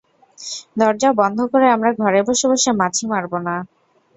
দরজা বন্ধ করে আমরা ঘরে বসে বসে মাছি মারব না।